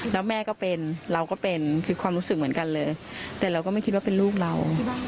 แล้วแม่ก็เป็นเราก็เป็นคือความรู้สึกเหมือนกันเลยแต่เราก็ไม่คิดว่าเป็นลูกเรา